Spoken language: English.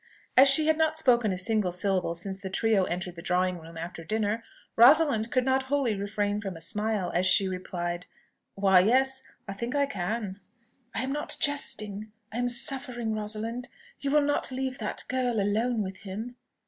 As she had not spoken a single syllable since the trio entered the drawing room after dinner, Rosalind could not wholly refrain from a smile as she replied "Why, yes; I think I can." "I am not jesting; I am suffering, Rosalind. You will not leave that girl alone with him?"